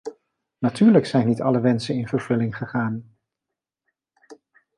Natuurlijk zijn niet alle wensen in vervulling gegaan.